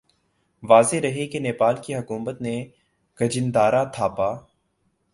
واضح رہے کہ نیپال کی حکومت نے کھجیندرا تھاپا